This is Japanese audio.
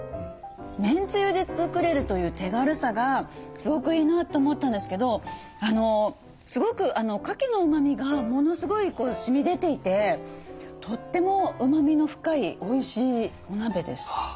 めんつゆで作れるという手軽さがすごくいいなと思ったんですけどすごくかきのうまみがものすごいしみ出ていてとってもうまみの深いおいしいお鍋です。